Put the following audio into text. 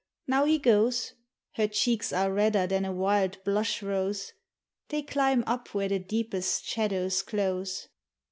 Now he goes; Her cheeks are redder than a wild blush rose: They climb up where the deepest shadows close.